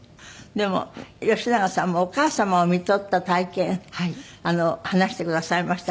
でも吉永さんもお母様をみとった体験話してくださいました。